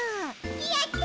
やった！